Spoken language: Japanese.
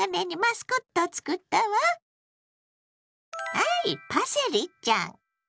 はいパセリちゃん。